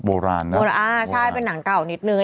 เป็นการกระตุ้นการไหลเวียนของเลือด